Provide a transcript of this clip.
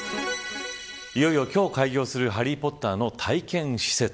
いよいよ今日開業するハリー・ポッターの体験施設。